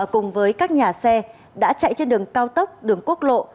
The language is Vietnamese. cùng với các nhà xe đã chạy trên đường cao tốc đường quốc lộ